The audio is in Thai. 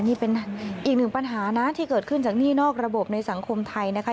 นี่เป็นอีกหนึ่งปัญหานะที่เกิดขึ้นจากหนี้นอกระบบในสังคมไทยนะคะ